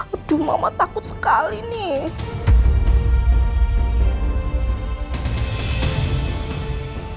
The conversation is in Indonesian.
aduh mama takut sekali nih